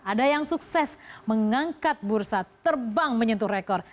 ada yang sukses mengangkat bursa terbang menyentuh rekor